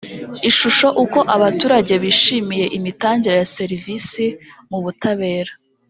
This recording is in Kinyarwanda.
ishusho uko abaturage bishimiye imitangire ya serivisi mu butabera